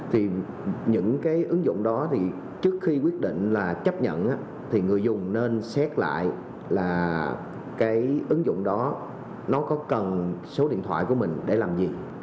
thì những cái ứng dụng đó thì trước khi quyết định là chấp nhận thì người dùng nên xét lại là cái ứng dụng đó nó có cần số điện thoại của mình để làm gì